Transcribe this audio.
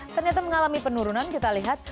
ternyata mengalami penurunan kita lihat